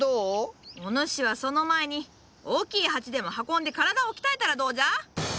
お主はその前に大きい鉢でも運んで体を鍛えたらどうじゃ？